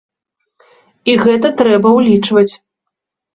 І гэта трэба ўлічваць.